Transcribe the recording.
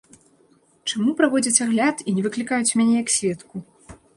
Чаму праводзяць агляд, і не выклікаюць мяне як сведку?